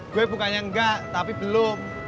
gue bukannya enggak tapi belum